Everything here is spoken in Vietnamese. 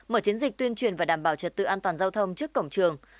mở chiến dịch tuyên truyền và đảm bảo trật tự an toàn giao thông trước cổng trường